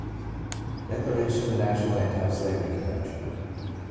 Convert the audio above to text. Declaration of the National Anti Slavery Convention (1833).